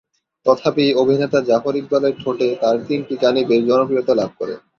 তথাপি অভিনেতা জাফর ইকবালের ঠোঁটে তার তিনটি গানই বেশ জনপ্রিয়তা লাভ করে।